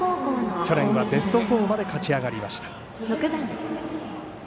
去年はベスト４まで勝ち上がりました。